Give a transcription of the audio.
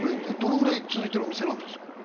どのぐらい続いてるお店なんですか？